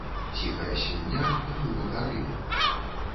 Цiхая сьвiньня глыбака рые